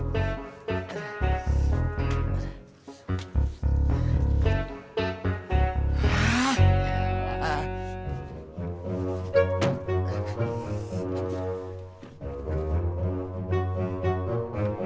gak apa apa kok lagi juga boleh